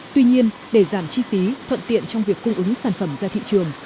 tuy nhiên để giảm chi phí thuận tiện trong việc cung ứng sản phẩm ra thị trường